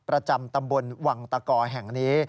ประจำตำบลวังตะกอแห่งนี้